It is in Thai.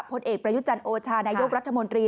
ผลเอกประยุจันทร์โอชานายกรัฐมนตรี